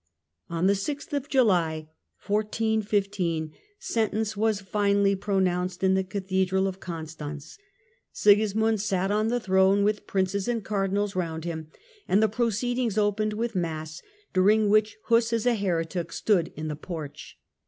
On the (3th July, 1415, sentence was finally pro nounced in the Cathedral of Constance, Sigismund EMPIEE AND PAPACY, 1414 1453 161 sat on the throne with Princes and Cardinals round him, and the proceedings opened with Mass, during which Huss as a heretic stood in the porch.